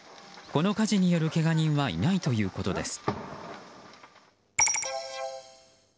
この火事によるけが人はいないということです。